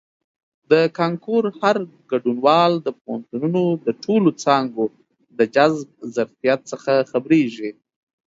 د کانکور هر ګډونوال د پوهنتونونو د ټولو څانګو د جذب ظرفیت څخه خبریږي.